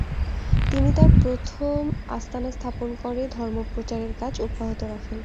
তিনি তার প্রথম আস্তানা স্থাপন করে ধর্ম প্রচারের কাজ অব্যাহত রাখেন।